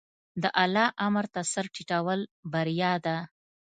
د الله امر ته سر ټیټول بریا ده.